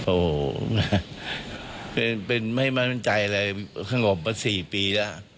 โอ้เป็นไม่มั่นใจเลยครั้งห่วงไป๔ปี